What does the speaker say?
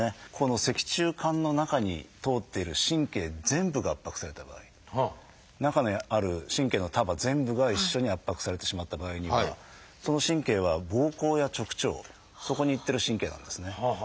ここの脊柱管の中に通っている神経全部が圧迫された場合中にある神経の束全部が一緒に圧迫されてしまった場合にはその神経はぼうこうや直腸そこに行ってる神経なんですね。